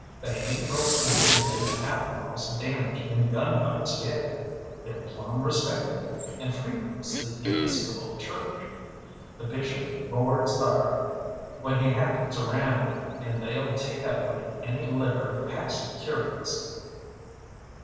They ain't broke in to lady outlaws damaged in gun fights yet. They're plumb respectable, and frequents the Episcopal Church. The bishop boards thar when he happens around, and they'll take up with any litter of passing curates."